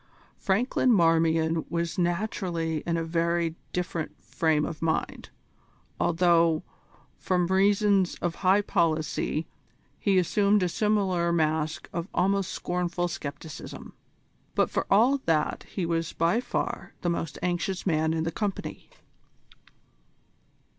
Franklin Marmion was naturally in a very different frame of mind, although, from reasons of high policy, he assumed a similar mask of almost scornful scepticism; but for all that he was by far the most anxious man in the company.